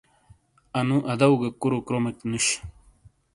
انو ادو گہ کُورو کرومیک نُش۔